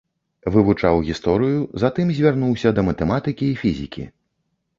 Вывучаў гісторыю, затым звярнуўся да матэматыкі і фізікі.